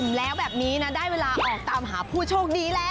อ๋อเดี๋ยวนี้นะได้เวลาออกตามหาผู้โชคดีแล้ว